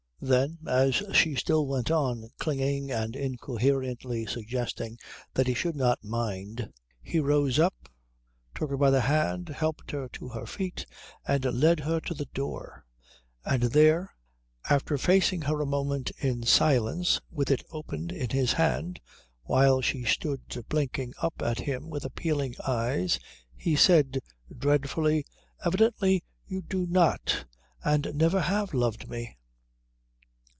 Then, as she still went on clinging and incoherently suggesting that he should not mind, he rose up, took her by the hand, helped her to her feet, and led her to the door; and there, after facing her a moment in silence with it opened in his hand while she stood blinking up at him with appealing eyes, he said dreadfully: "Evidently you do not and never have loved me."